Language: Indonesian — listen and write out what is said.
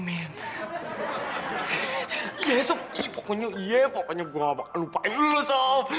iya sof pokoknya gue bakal lupain dulu sof